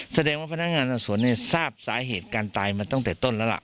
แสดงว่าพนักงานสอบสวนเนี่ยทราบสาเหตุการตายมาตั้งแต่ต้นแล้วล่ะ